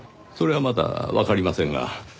それはまだわかりませんが。